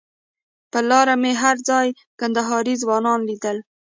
پر لاره مې هر ځای کندهاري ځوانان لیدل.